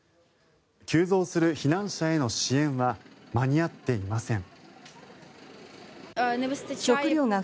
急増する避難者への支援は間に合っていません。